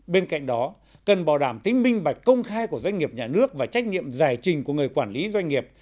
bên cạnh đó cần bảo đảm tính minh bạch công khai của doanh nghiệp nhà nước và trách nhiệm giải trình của người quản lý doanh nghiệp